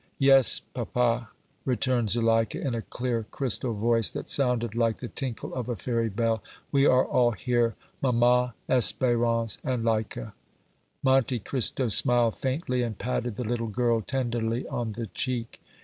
"Yes, papa," returned Zuleika, in a clear, crystal voice, that sounded like the tinkle of a fairy bell, "we are all here mamma, Espérance and 'Leika!" Monte Cristo smiled faintly, and patted the little girl tenderly on the cheek.